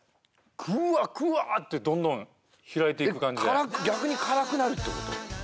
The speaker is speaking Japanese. くわっくわってどんどん開いていく感じで逆に辛くなるってこと？